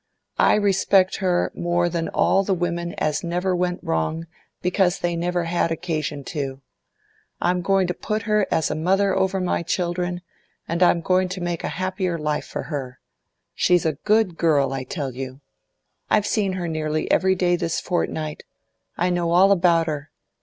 I respect her more than all the women as never went wrong because they never had occasion to. I'm goin' to put her as a mother over my children, and I'm goin' to make a happier life for her. She's a good girl, I tell you. I've seen her nearly every day this fortnight; I know all about her.